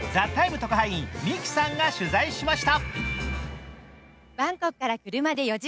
特派員ＭＩＫＩさんが取材しました。